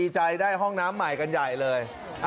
ที่ช่วยให้ห้องน้ำเราได้ใช้นะคะขอบคุณกับทุกคน